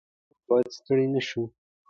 موږ باید ستړي نه شو.